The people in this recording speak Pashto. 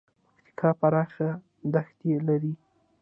پکتیکا پراخه دښتې لري